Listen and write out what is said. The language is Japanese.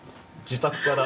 自宅から。